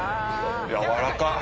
やわらかい。